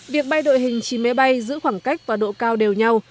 việc bay đội hình chín máy bay giữ khoảng cách và độ cao đều nhau